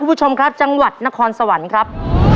คุณผู้ชมครับจังหวัดนครสวรรค์ครับ